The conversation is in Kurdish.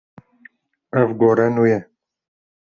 Ev gore nû ye.